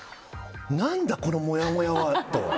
何だ、このもやもやはと。